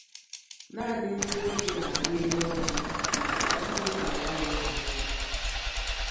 Naani ndi nwoke na-ari elu ọji mana ndi nwanyi anaghị ari ya.